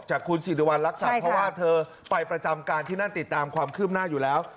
คุณสิริวัณรักษัตริย์เพราะว่าเธอไปประจำการที่นั่นติดตามความคืบหน้าอยู่แล้ว